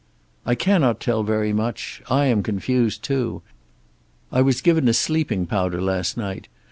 "I cannot tell very much. I am confused, too. I was given a sleeping powder last night.